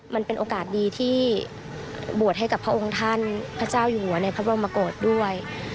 มันเป็นโอกาสดีที่บวชให้กับพระองค์ท่านพระเจ้าอยู่หัวในพระบรมกฏด้วย